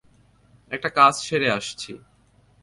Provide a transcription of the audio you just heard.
একটা কাজ সেরে আসছি।